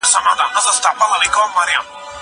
زه هره ورځ درسونه لوستل کوم!